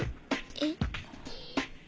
えっ？